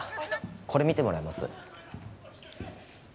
これ見てもらえます？